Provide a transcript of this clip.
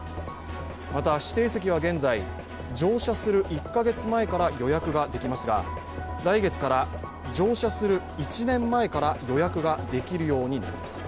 また、指定席は現在、乗車する１か月前から予約ができますが、来月から乗車する１年前から予約ができるようになります。